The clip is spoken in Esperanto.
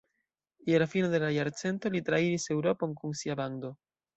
Je la fino de la jarcento li trairis Eŭropon kun sia bando.